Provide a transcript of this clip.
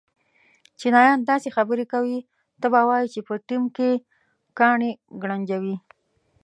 چینایان داسې خبرې کوي ته به وایې چې په ټېم کې کاڼي گړنجوې.